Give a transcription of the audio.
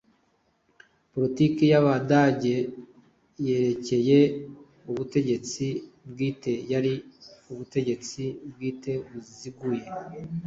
Politike y'Abadage yerekeye ubutegetsi bwite yari ubutegetsi bwite buziguye